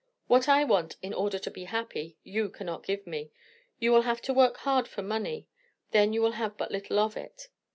What I want, in order to be happy, you cannot give me. You will have to work hard for money, then you will have but little of it.